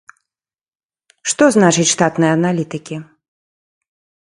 Што значыць штатныя аналітыкі?